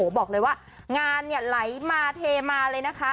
บอกเลยว่างานเนี่ยไหลมาเทมาเลยนะคะ